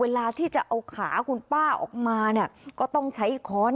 เวลาที่จะเอาขาคุณป้าออกมาเนี่ยก็ต้องใช้ค้อน